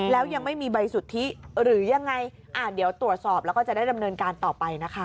แล้วยังไม่มีใบสุทธิหรือยังไงเดี๋ยวตรวจสอบแล้วก็จะได้ดำเนินการต่อไปนะคะ